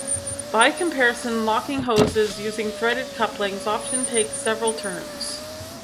By comparison, locking hoses using threaded couplings often takes several turns.